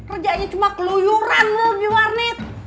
rejaknya cuma keluyuran loh di warnet